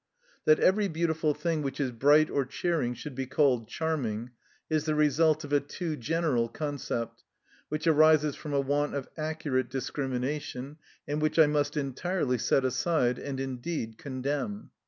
That every beautiful thing which is bright or cheering should be called charming, is the result of a too general concept, which arises from a want of accurate discrimination, and which I must entirely set aside, and indeed condemn.